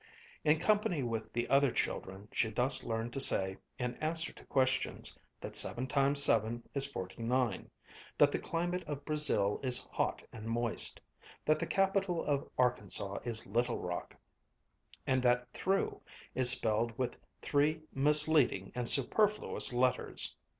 In company with the other children she thus learned to say, in answer to questions, that seven times seven is forty nine; that the climate of Brazil is hot and moist; that the capital of Arkansas is Little Rock; and that "through" is spelled with three misleading and superfluous letters.